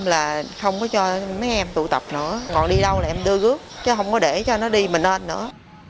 nên là không có cho mấy em tụ tập nữa còn đi đâu là em đưa gớp chứ không có để cho nó đi mình lên nữa